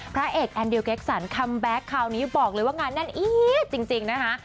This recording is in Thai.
พระเอกแอนดิลเกคสันคัมแบ็คคราวนี้บอกเลยว่างานแน่นอี๊ดจริงนะคะ